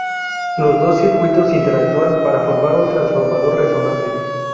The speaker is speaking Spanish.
Los dos circuitos interactúan para formar un transformador resonante.